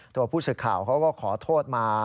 ตัวผู้สื่อข่าวเขาก็ขอโทษมา